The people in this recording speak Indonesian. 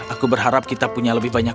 aku berharap kita punya lebih banyak